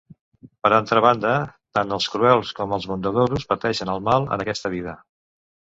Per altra banda, tant els cruels com els bondadosos pateixen el mal en aquesta vida.